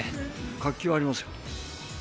活気がありますよ。